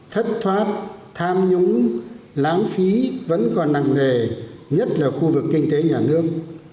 thất thoát tham nhũng lãng phí vẫn còn nặng nề nhất là khu vực kinh tế nhà nước